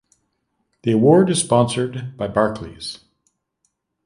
The award is sponsored by Barclays.